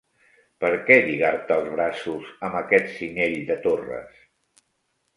Per què lligar-te els braços amb aquest cinyell de torres?